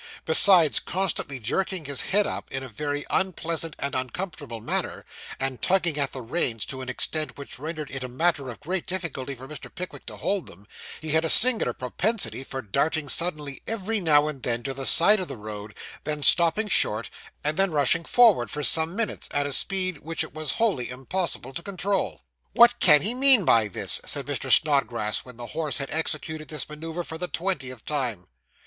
Besides constantly jerking his head up, in a very unpleasant and uncomfortable manner, and tugging at the reins to an extent which rendered it a matter of great difficulty for Mr. Pickwick to hold them, he had a singular propensity for darting suddenly every now and then to the side of the road, then stopping short, and then rushing forward for some minutes, at a speed which it was wholly impossible to control. 'What can he mean by this?' said Mr. Snodgrass, when the horse had executed this manoeuvre for the twentieth time.